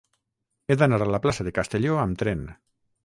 He d'anar a la plaça de Castelló amb tren.